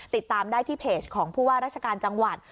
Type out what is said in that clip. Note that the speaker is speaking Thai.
ติดตามได้ที่เพจของผู้ว่าราชการจังหวัด